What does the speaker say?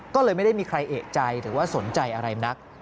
ก็เลยไม่ได้มีใครเอกใจหรือว่าสนใจอะไรนัก